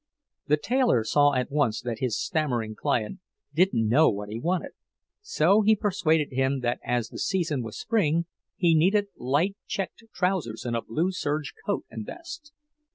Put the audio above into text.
The tailor saw at once that his stammering client didn't know what he wanted, so he persuaded him that as the season was spring he needed light checked trousers and a blue serge coat and vest.